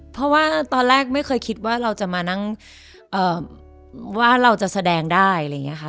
เพราะว่าตอนแรกไม่เคยคิดว่าเราจะมานั่งว่าเราจะแสดงได้อะไรอย่างนี้ค่ะ